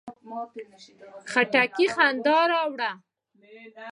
خټکی خندا راوړي.